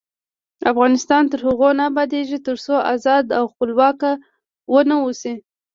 افغانستان تر هغو نه ابادیږي، ترڅو ازاد او خپلواک ونه اوسو.